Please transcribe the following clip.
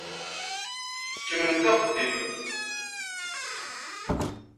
Kemmlemt axeddim!